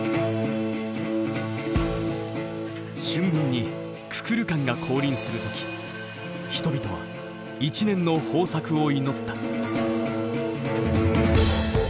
春分にククルカンが降臨する時人々は一年の豊作を祈った。